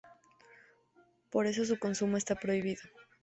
Por eso su consumo está prohibido.